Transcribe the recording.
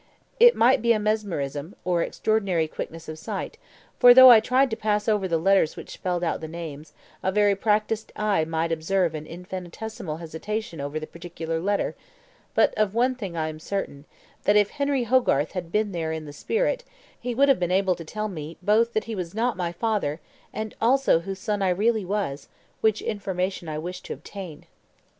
It might be mesmerism, or extraordinary quickness of sight; for though I tried to pass over the letters which spelled out the names, a very practised eye might observe an infinitesimal hesitation over the particular letter; but of one thing I am certain, that if Henry Hogarth had been there in the spirit, he would have been able to tell me both that he was not my father, and also whose son I really was, which information I wished to obtain."